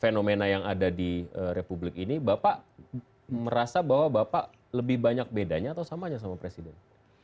fenomena yang ada di republik ini bapak merasa bahwa bapak lebih banyak bedanya atau samanya sama presiden